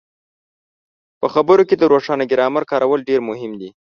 په خبرو کې د روښانه ګرامر کارول ډېر مهم دي.